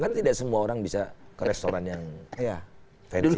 kan tidak semua orang bisa ke restoran yang fancy fancy itu kan